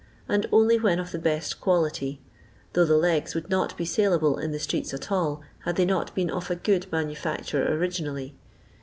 and only when of the best quality, though the legs would not be saleable in the streets at all, had they not been of a good manufacture originally.